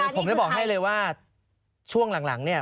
ผมจะบอกให้เลยว่าช่วงหลังเนี่ย